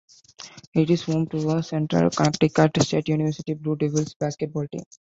It is home to the Central Connecticut State University Blue Devils basketball team.